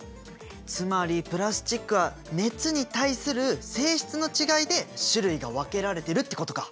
つまりプラスチックは熱に対する性質の違いで種類が分けられてるってことか。